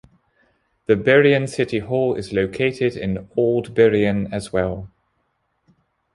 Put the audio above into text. The Burien City Hall is located in Olde Burien as well.